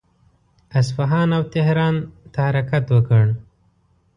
اصفهان او تهران ته حرکت وکړ.